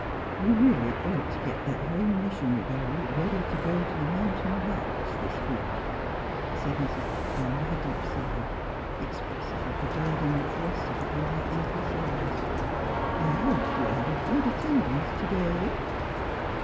'' We'd really ought t' get that home mission 'ry barrel ready to go to the Mountain Whites this week," said Mrs. Buckthorn, with a deep sigh, ex pressive of the burden which rested upon her ample shoulders. " I hope we'll have a good at tendance t' day."